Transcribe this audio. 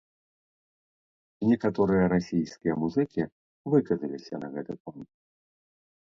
Некаторыя расійскія музыкі выказаліся на гэты конт.